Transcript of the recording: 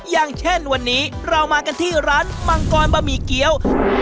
อย่างเช่นวันนี้เรามากันที่ร้านมังกรบะหมี่เกี้ยว